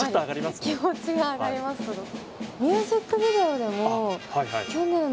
気持ちが上がりますすごく。